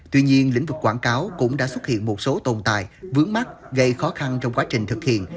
tuy nhiên lĩnh vực quảng cáo cũng đã xuất hiện một số tồn tại vướng mắc gây khó khăn trong quá trình thực hiện